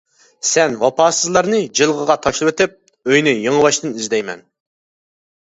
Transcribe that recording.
سەن ۋاپاسىزلارنى جىلغىغا تاشلىۋېتىپ، ئۆينى يېڭىباشتىن ئىزدەيمەن.